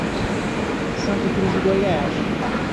Santa Cruz de Goiás